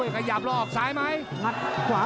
ติดตามยังน้อยกว่า